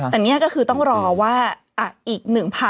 แต่นี่ก็คือต้องรอว่าอีก๑๐๐๐